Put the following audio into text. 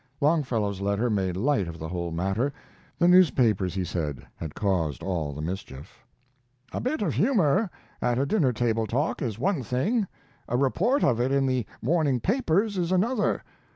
Longfellow's letter made light of the whole matter. The newspapers, he said, had caused all the mischief. A bit of humor at a dinner table talk is one thing; a report of it in the morning papers is another.